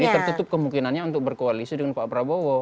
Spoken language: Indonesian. jadi tertutup kemungkinannya untuk berkoalisi dengan pak prabowo